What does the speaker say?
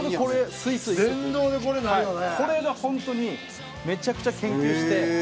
松橋：これが本当にめちゃくちゃ研究して。